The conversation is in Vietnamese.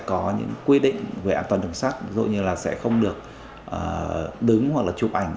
có những quy định về an toàn đường sắt dù như là sẽ không được đứng hoặc là chụp ảnh